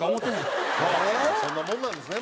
そんなもんなんですね